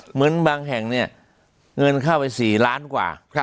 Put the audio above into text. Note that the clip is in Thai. เหมือนบางแห่งเนี่ยเงินเข้าไป๔ล้านกว่า